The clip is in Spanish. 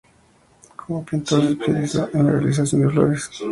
Como pintor se especializó en la realización de flores.